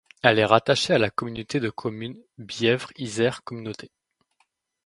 Elle est rattachée à la communauté de communes Bièvre Isère communauté.